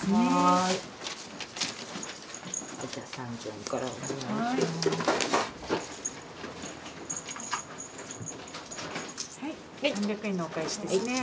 ３００円のお返しですね。